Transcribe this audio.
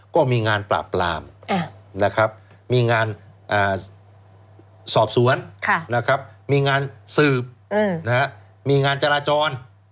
ก็มีงานปราบปรามนะครับมีงานสอบสวนมีงานสืบมีงานจราจร